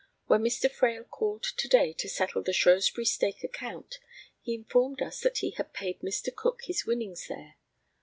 When Mr. Frail called to day to settle the Shrewsbury Stake account, he informed us that he had paid Mr. Cook his winnings there.